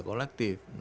ketua kpk yang